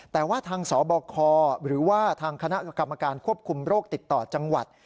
แต่ว่าทางสบคหรือว่าทางคณะกรรมการควบคุมโรคติดต่อจังหวัด